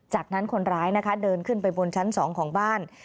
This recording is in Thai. จากนั้นคนร้ายนะคะเดินขึ้นไปบนชั้น๒ของบ้าน